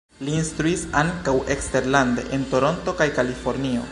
Li instruis ankaŭ eksterlande en Toronto kaj Kalifornio.